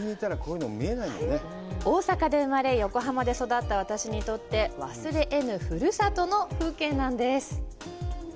大阪で生まれ、横浜で育った私にとって忘れえぬ故郷の風景なんです。